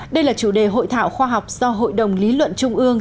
đây là chủ đề hội thảo khoa học do hội đồng lý luận trung ương